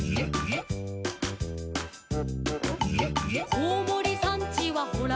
「こうもりさんちはほらあなで」